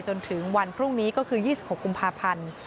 จนถึงวันพรุ่งนี้ก็คือ๒๖กุมภาพันธ์